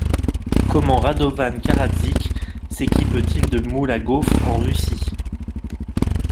Comment Radovan Karadzic s'équipe-t-il de moules à gauffres en Russie?